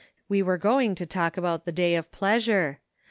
We were going to talk about the day of pleasure.